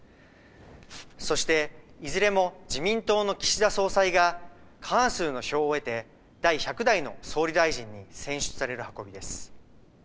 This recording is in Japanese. そして、いずれも自民党の岸田総裁が過半数の票を得て第１００代の総理大臣に選出される運びです。